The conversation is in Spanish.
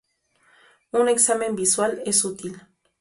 Un examen visual es útil.